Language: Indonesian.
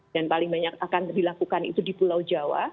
dan paling banyak akan dilakukan itu di pulau jawa